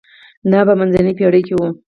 دا په منځنۍ پېړۍ کې و.